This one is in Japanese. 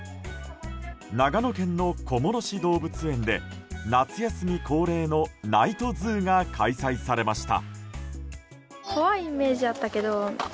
長野県の小諸市動物園で夏休み恒例のナイトズーが開催されました。